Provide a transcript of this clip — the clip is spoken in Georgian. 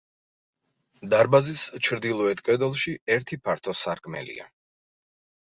დარბაზის ჩრდილოეთ კედელში ერთი ფართო სარკმელია.